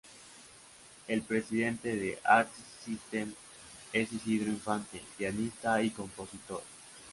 El presidente de Artist System es Isidro Infante, pianista y compositor.